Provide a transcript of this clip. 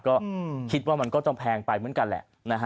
ก็คิดว่ามันก็จะแพงไปเหมือนกันแหละนะฮะ